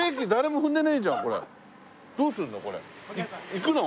行くの？